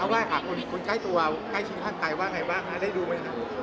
เอาไว้ค่ะคุณใกล้ตัวใกล้ชิ้นข้างใกล้ว่าไงบ้างได้ดูไหมครับ